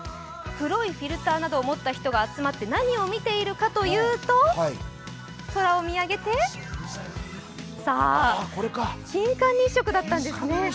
黒いフィルターなどを持っている人たちが集まって何を見ているかというと空を見上げて、さあ、金環日食だったんですね。